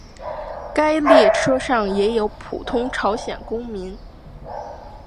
该列车上也有普通朝鲜公民。